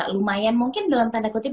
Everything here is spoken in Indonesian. lumayan mungkin dalam tanda kutip